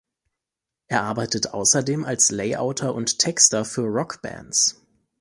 Er arbeitet außerdem als Layouter und Texter für Rockbands.